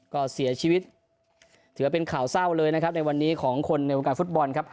ก็เสียชีวิตถือว่าเป็นข่าวเศร้าเลยนะครับในวันนี้ของคนในวงการฟุตบอลครับ